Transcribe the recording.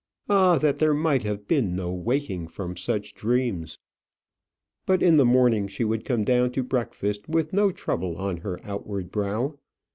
Ah, that there might have been no waking from such dreams! But in the morning she would come down to breakfast with no trouble on her outward brow.